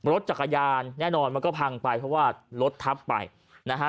รถจักรยานแน่นอนมันก็พังไปเพราะว่ารถทับไปนะฮะ